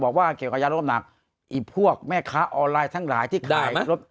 บอกว่าเกี่ยวกับยาลดน้ำหนักไอ้พวกแม่ค้าออนไลน์ทั้งหลายที่ได้ไหม